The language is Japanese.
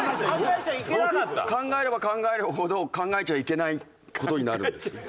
考えれば考えるほど考えちゃいけない事になるんです。